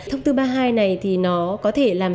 thông tư ba mươi hai này thì nó có thể làm